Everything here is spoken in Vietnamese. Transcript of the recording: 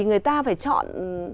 người ta phải chọn